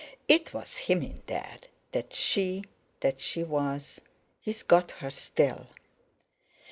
"It was him in there, that she—that she was—He's got her still!"